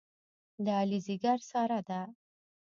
د علي ځېګر ساره ده.